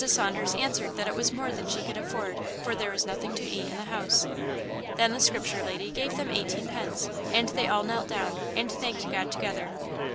Saunders answered that it was more than she could afford, for there was nothing to eat in the house. Then the Scripture lady gave them eighteen pence, and they all knelt down and thanked God together.